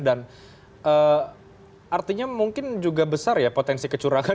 dan artinya mungkin juga besar ya potensi kecurangan